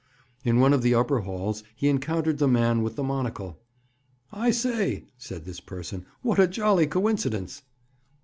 In one of the upper halls he encountered the man with the monocle. "I say!" said this person. "What a jolly coincidence!"